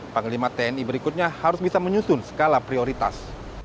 panglima tni berikutnya harus bisa menyusun skala prioritas